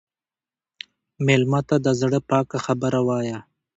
مېلمه ته د زړه پاکه خبره وایه.